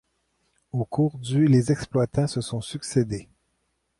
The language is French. Au cours du les exploitants se sont succédé.